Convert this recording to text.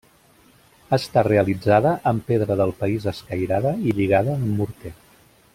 Està realitzada amb pedra del país escairada i lligada amb morter.